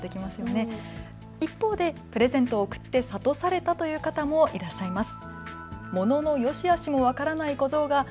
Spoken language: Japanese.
一方でプレゼントを贈って諭されたという方もいらっしゃいます。